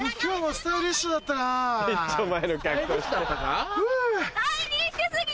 スタイリッシュ過ぎ！